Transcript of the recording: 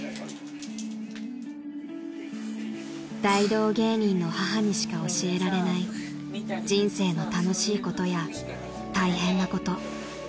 ［大道芸人の母にしか教えられない人生の楽しいことや大変なこと］